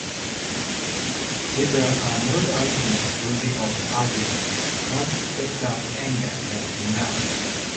When there are no arguments worthy of argument one spits out anger and malice.